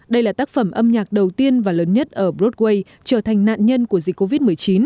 đây là tác phẩm âm nhạc đầu tiên và lớn nhất ở broadway trở thành nạn nhân của dịch covid một mươi chín